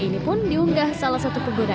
ini pun diunggah salah satu pengguna